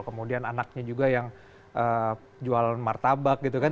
kemudian anaknya juga yang jual martabak gitu kan